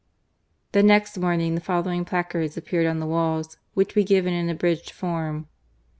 The next morning the following placards ap peared on the walls, which we give in an abridged form.